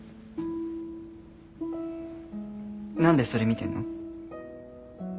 何でそれ見てんの？